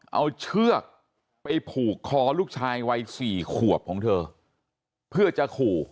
เอาเชือกไปผูกคอลูกชายวัยสี่ขวบของเธอเพื่อจะขู่